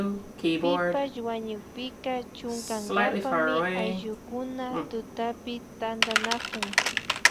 Pipash wañukpika chunkankapami ayllukuna tutapi tantanakun